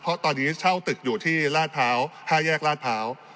เพราะตอนนี้เช่าตึกอยู่ที่ห้าแยกลาดเผา